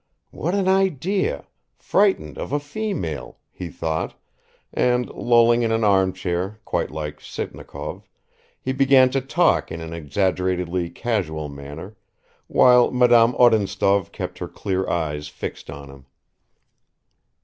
"What an idea! Frightened of a female," he thought, and lolling in an armchair, quite like Sitnikov, he began to talk in an exaggeratedly casual manner, while Madame Odintsov kept her clear eyes fixed on him.